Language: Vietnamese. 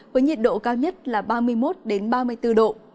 với nhiệt độ cao nhất là ba mươi một ba mươi bốn độ